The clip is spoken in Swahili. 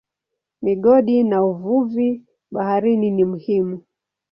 Migodi na uvuvi baharini ni muhimu.